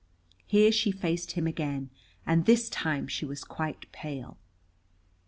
Here she faced him again, and this time she was quite pale.